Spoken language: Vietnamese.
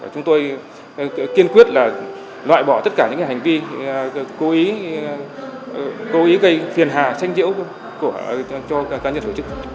chúng tôi kiên quyết loại bỏ tất cả những hành vi cố ý gây phiền hà xanh diễu cho các nhà tổ chức